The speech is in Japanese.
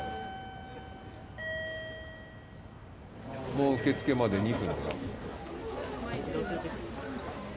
もう受付まで２分。